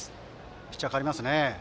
ピッチャー代わりますね。